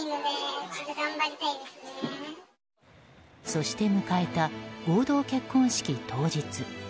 そして迎えた合同結婚式当日。